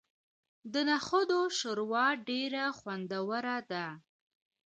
د نخودو شوروا ډیره خوندوره ده.